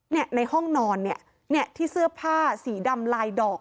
ในห้องนอนที่เสื้อผ้าสีดำลายดอก